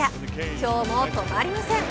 今日も止まりません。